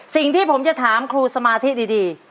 สิ่งที่ผมจะถามครูสมาธิดี